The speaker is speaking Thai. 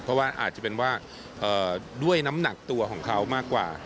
เพราะว่าอาจจะเป็นว่าด้วยน้ำหนักตัวของเขามากกว่า